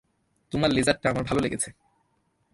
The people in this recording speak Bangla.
তোমার লেজারটা আমার ভালো লেগেছে।